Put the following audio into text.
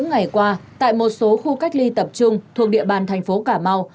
bốn ngày qua tại một số khu cách ly tập trung thuộc địa bàn thành phố cà mau